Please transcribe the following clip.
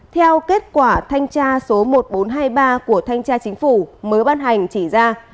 theo kết quả thanh tra số một nghìn bốn trăm hai mươi ba của thanh tra chính phủ mới ban hành chỉ ra